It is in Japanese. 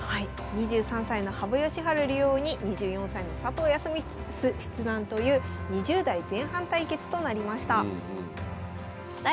２３歳の羽生善治竜王に２４歳の佐藤康光七段という２０代前半対決となりました。